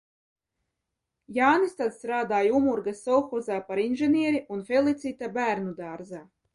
Jānis tad strādāja Umurgas sovhozā par inženieri un Felicita bērnu dārzā.